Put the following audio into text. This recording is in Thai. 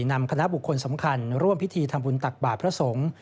นำคณะบุคคลสำคัญร่วมพิธีทำบุญตักบาทพระสงฆ์